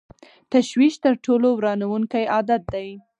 تشویش تر ټولو ورانوونکی عادت دی.